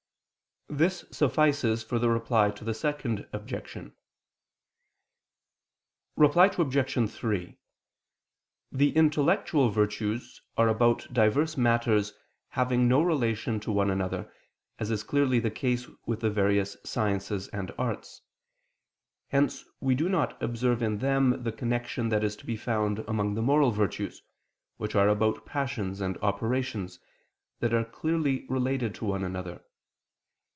This suffices for the Reply to the Second Objection. Reply Obj. 3: The intellectual virtues are about divers matters having no relation to one another, as is clearly the case with the various sciences and arts. Hence we do not observe in them the connection that is to be found among the moral virtues, which are about passions and operations, that are clearly related to one another.